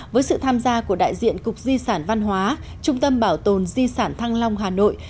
với sự tham gia của đại diện cục di sản văn hóa trung tâm bảo tồn di sản thăng long hà nội